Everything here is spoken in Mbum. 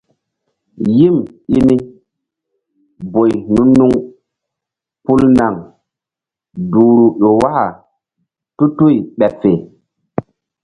Yim i ni boy nu-nuŋ pul naŋ duhru ƴo waka tutuy ɓeɓ fe.